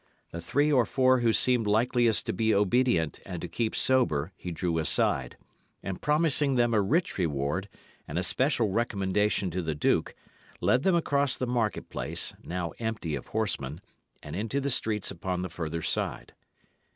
The three or four who seemed likeliest to be obedient and to keep sober he drew aside; and promising them a rich reward and a special recommendation to the duke, led them across the market place, now empty of horsemen, and into the streets upon the further side.